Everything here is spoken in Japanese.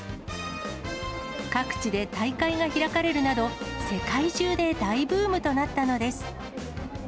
各地で大会が開かれるなど、世界中で大ブームとなったのです。